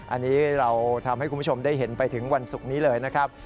อันนี้เราทำให้คุณผู้ชมได้เห็นไปถึงวันศุกร์นี้เลยนะครับ